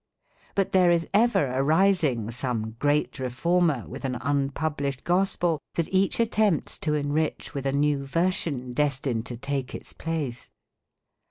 But there is ever arising some great reformer with an unpublished gospel that each attempts to enrich with a new version destined to take its place.